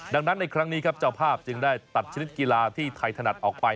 ดังนั้นในครั้งนี้ครับเจ้าภาพจึงได้ตัดชนิดกีฬาที่ไทยถนัดออกไป